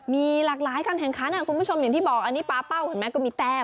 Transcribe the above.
มีหลากหลายการแข่งขันคุณผู้ชมอย่างที่บอกอันนี้ปลาเป้าเห็นไหมก็มีแต้ม